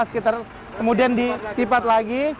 kemudian dilipat lagi